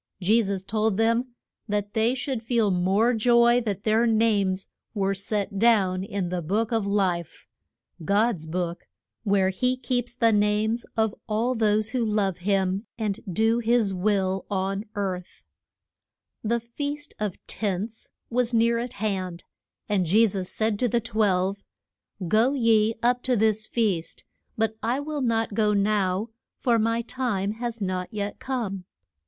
Je sus told them that they should feel more joy that their names were set down in the Book of Life God's book where he keeps the names of all those who love him, and do his will on earth. [Illustration: THE SEND ING OUT OF THE SEV EN TY.] The Feast of Tents was near at hand, and Je sus said to the twelve, Go ye up to this feast, but I will not go now, for my time has not yet come.